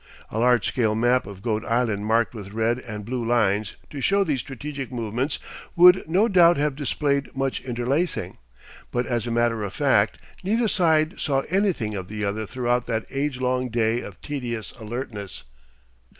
A large scale map of Goat Island marked with red and blue lines to show these strategic movements would no doubt have displayed much interlacing, but as a matter of fact neither side saw anything of the other throughout that age long day of tedious alertness.